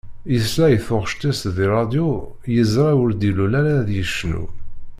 Yesla i taγect-is di ṛṛadiu yezṛa ur d-ilul ara ad yecnu.